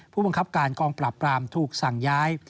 ผู้บังคับการกองปราบปรามถูกสั่งย้าย